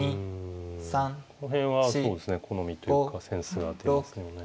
その辺はそうですね好みというかセンスが出ますよね。